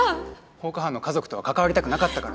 放火犯の家族とは関わりたくなかったから？